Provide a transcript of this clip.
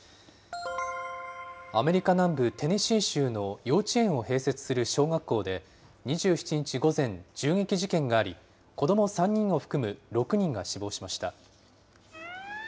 アメリカ南部テネシー州の幼稚園を併設する小学校で２７日午前、銃撃事件があり、子ども３人を含む６人が死亡しました。